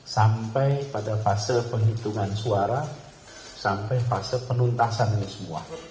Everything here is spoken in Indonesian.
sampai pada fase penghitungan suara sampai fase penuntasan ini semua